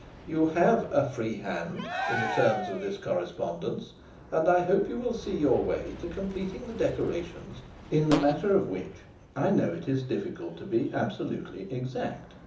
You have a "free hand" in the terms of this correspondence, and I hope you will see your way to completing the decorations, in the matter of which I know it is difficult to be absolutely exact.